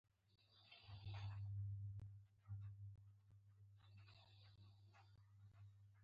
په پلورنځي کې د نرخونو مقایسه مهمه ده.